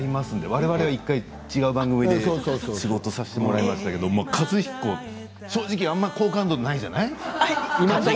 われわれ１回違う番組で仕事をさせてもらいましたけれど和彦って正直あんまり好感度ないじゃない？